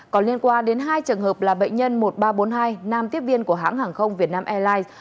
có liên quan đến hai trường hợp là bệnh nhân một nghìn ba trăm bốn mươi hai nam tiếp viên của hãng hàng không việt nam airlines